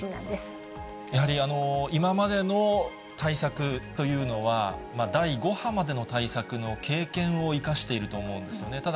やはり、今までの対策というのは、第５波までの対策の経験を生かしていると思うんですよね。